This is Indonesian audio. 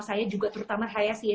saya juga terutama hya sih ya